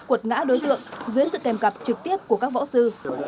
cuột ngã đối tượng dưới sự kèm cặp trực tiếp của các võ sư